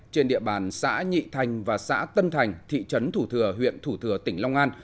trên địa bàn xã nhị thành và xã tân thành thị trấn thủ thừa huyện thủ thừa tỉnh long an